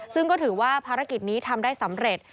ซึ่งก็ถือว่าภารกิจนี้ทำได้สำเร็จ